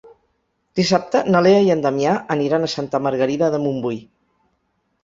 Dissabte na Lea i en Damià aniran a Santa Margarida de Montbui.